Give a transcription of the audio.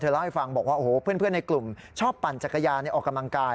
เล่าให้ฟังบอกว่าโอ้โหเพื่อนในกลุ่มชอบปั่นจักรยานออกกำลังกาย